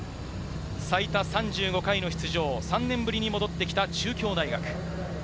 最多３５回の出場、３年ぶりに戻ってきた中京大学。